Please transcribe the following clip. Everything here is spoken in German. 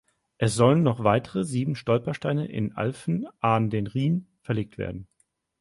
Es sollen noch weitere sieben Stolpersteine in Alphen aan den Rijn verlegt werden.